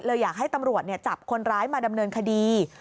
อยากให้ตำรวจจับคนร้ายมาดำเนินคดี